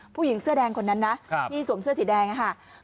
ผู้หญิงเสื้อแดงคนนั้นนะที่สวมเสื้อสีแดงค่ะ